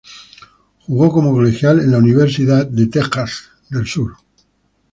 Jugó como colegial en la Universidad Texas Southern.